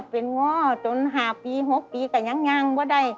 เป็นง่อจนห้าปีหกปีก็ยังไม่ได้